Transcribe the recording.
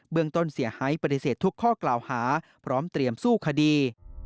เมืองต้นเสียหายปฏิเสธทุกข้อกล่าวหาพร้อมเตรียมสู้คดี